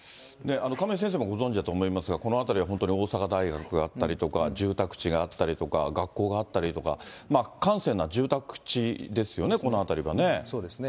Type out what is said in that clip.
亀井先生もご存じだと思いますが、この辺りは本当に、大阪大学があったりだとか、住宅地があったりとか、学校があったりとか、閑静な住宅地ですよね、この辺りはね。